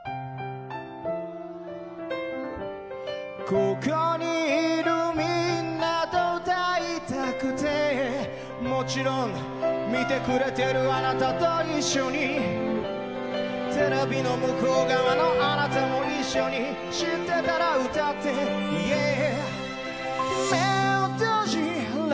ここにいるみんなと歌いたくてもちろん見てくれてるあなたと一緒にテレビの向こう側のあなたも一緒に、知ってたら歌って、イエーイ。